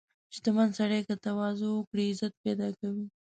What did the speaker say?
• شتمن سړی که تواضع وکړي، عزت پیدا کوي.